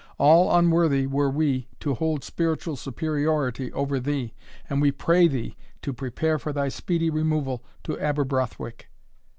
All unworthy were we to hold spiritual superiority over thee, and we pray thee to prepare for thy speedy removal to Aberbrothwick."